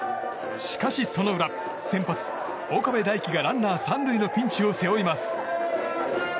しかし、その裏先発、岡部大輝がランナー３塁のピンチを背負います。